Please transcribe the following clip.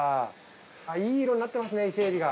いい色になってますね伊勢海老が。